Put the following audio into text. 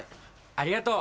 ありがとう。